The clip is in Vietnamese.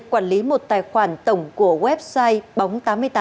quản lý một tài khoản tổng của website bóng tám mươi tám